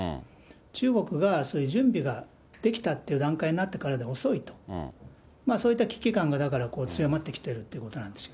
中国が、そういう準備ができたっていう段階になってからでは遅いと、そういった危機感が、だから強まってきてるということなんですよ。